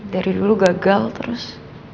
dari dulu gagal terus